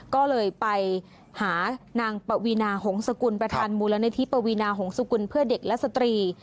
ก็เลยไปหานางปวีนาหงษกุลประธานมูลนิธิปวีนาหงศกุลเพื่อเด็กและสตรี